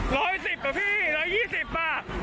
ร้อยสิบอ่ะพี่ร้อยยี่สิบอ่ะ